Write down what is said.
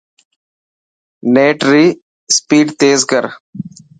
نيٽ ري اسپيڊ تيز ڪر.